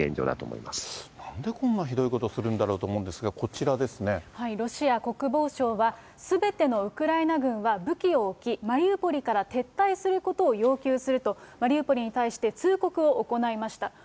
なんでこんなひどいことをするんだろうと思うんですけど、こロシア国防省は、すべてのウクライナ軍は武器を置き、マリウポリから撤退することを要求すると、マリウポリに対して通告を行いました。